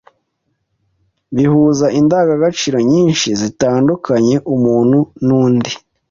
bihuza indangagaciro nyinshi zitandukanya umuntu n’undi,